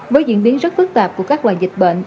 với diễn biến rất phức tạp của các loài dịch bệnh